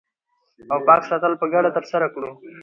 او پاک ساتل په ګډه ترسره کړو